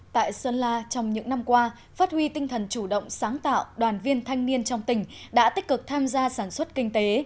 tại sơn la trong những năm qua phát huy tinh thần chủ động sáng tạo đoàn viên thanh niên trong tỉnh đã tích cực tham gia sản xuất kinh tế